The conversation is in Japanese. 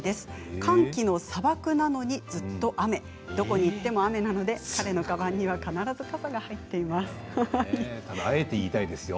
乾期の砂漠なのにずっと雨どこに行っても雨なので彼のかばんにはいつも傘があえて言いたいですよ。